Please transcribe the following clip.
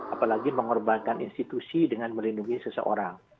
apalagi mengorbankan institusi dengan melindungi seseorang